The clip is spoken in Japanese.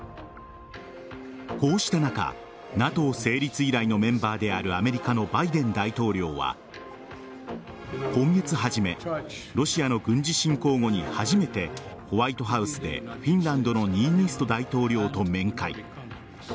こうした中ＮＡＴＯ成立以来のメンバーであるアメリカのバイデン大統領は今月初めロシアの軍事侵攻後に初めてホワイトハウスでフィンランドのニーニスト大統領と面会。